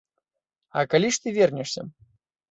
А калі ж ты вернешся?